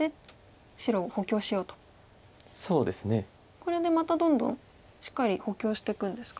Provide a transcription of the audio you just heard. これでまたどんどんしっかり補強していくんですか？